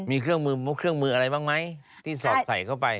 มีเครื่องมืออะไรบ้างไหมที่สอบใส่เข้าไป